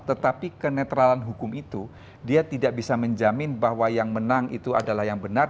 tetapi kenetralan hukum itu dia tidak bisa menjamin bahwa yang menang itu adalah yang benar